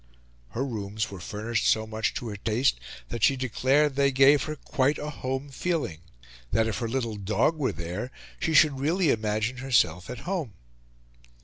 Her rooms were furnished so much to her taste that she declared they gave her quite a home feeling that, if her little dog were there, she should really imagine herself at home.